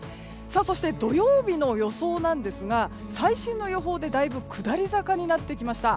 そして土曜日の予想ですが最新の予報でだいぶ下り坂になってきました。